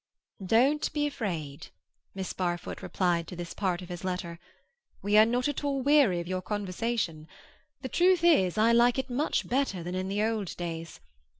"Don't be afraid," Miss Barfoot replied to this part of his letter. "We are not at all weary of your conversation. The truth is, I like it much better than in the old days.